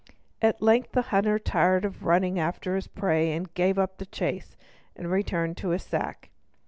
At length the hunter, tired of running after his prey, gave up the chase, and returned to take up his sack.